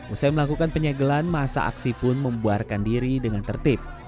usai melakukan penyegelan masa aksi pun membuarkan diri dengan tertib